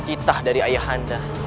kita dari ayah anda